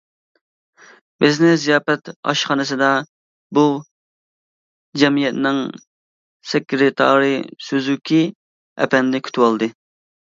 بىزنى زىياپەت ئاشخانىسىدا بۇ جەمئىيەتنىڭ سېكرېتارى سۈزۈكى ئەپەندى كۈتۈۋالدى.